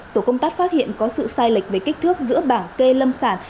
tổ công tác phát hiện có sự sai lệch về kích thước giữa bảng kê lâm sản